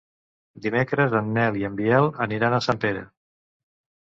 Dimecres en Nel i en Biel aniran a Sempere.